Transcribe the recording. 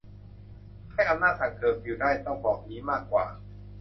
ให้อำนาจสั่งเคอร์ฟิวได้ ต้องบอกงี้มากกว่า